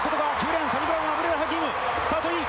レーンサニブラウン・アブデル・ハキームスタートいい！